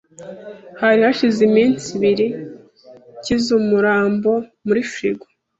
Hari hashize iminsi ibiri nshyize umurambo muri firigo.